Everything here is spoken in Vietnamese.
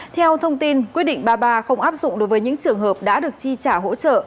theo thông tin quyết định ba mươi ba không áp dụng đối với những trường hợp đã được chi trả hỗ trợ